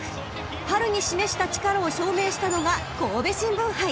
［春に示した力を証明したのが神戸新聞杯］